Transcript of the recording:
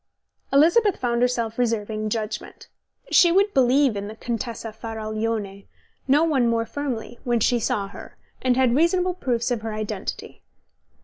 Elizabeth found herself reserving judgment. She would believe in the Contessa Faraglione no one more firmly when she saw her, and had reasonable proofs of her identity.